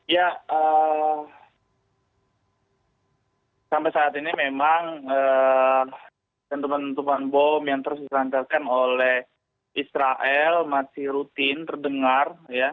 ya sampai saat ini memang tentuan tentuman bom yang terus diselancarkan oleh israel masih rutin terdengar ya